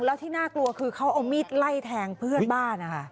แล้วที่น่ากลัวคือเขาเอามีดไล่แทงเพื่อนบ้านนะคะ